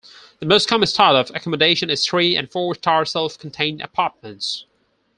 The most common style of accommodation is three and four star self-contained apartments.